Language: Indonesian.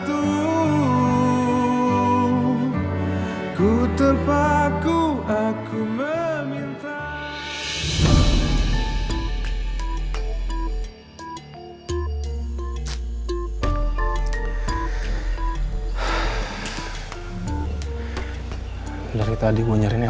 ini adalah petualangan